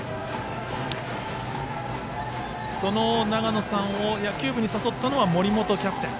永野さんを野球部に誘ったのは森本キャプテン。